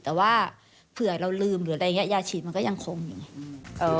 แต่ว่าเผื่อเราลืมหรืออะไรอย่างเงี้ยาฉีดมันก็ยังคงอยู่เอ่อ